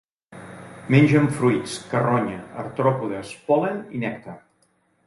Mengen fruits, carronya, artròpodes, pol·len i nèctar.